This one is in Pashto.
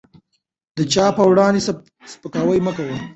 د چا په وړاندې سپکاوی مه کوئ.